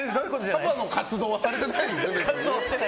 パパの活動はされてないですね別に。